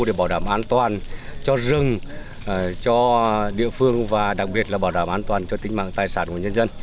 để bảo đảm an toàn cho rừng cho địa phương và đặc biệt là bảo đảm an toàn cho tính mạng tài sản của nhân dân